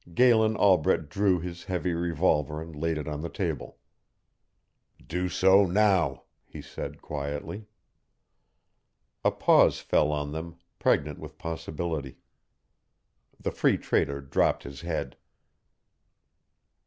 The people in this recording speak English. Galen Albret drew his heavy revolver and laid it on the table. "Do so now," he said, quietly. A pause fell on them, pregnant with possibility. The Free Trader dropped his head.